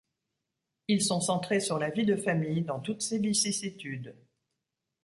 Ils sont centrés sur la vie de famille, dans toutes ses vicissitudes.